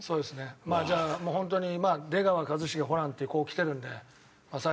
まあじゃあもうホントにまあ「出川一茂ホラン」ってこうきてるんで。